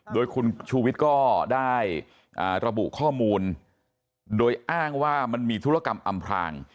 โดยคุณชูวิทย์ก็ได้ระบุข้อมูลโดยอ้างว่ามันมีธุรกรรมอำพลาง